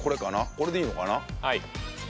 これでいいのかな？